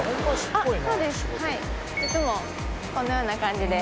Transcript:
いつもこのような感じで。